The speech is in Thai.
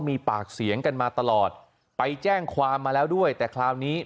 มีปากเสียงกันมาตลอดไปแจ้งความมาแล้วด้วยแต่คราวนี้